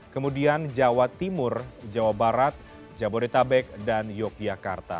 kemudian jawa timur jawa barat jabodetabek dan yogyakarta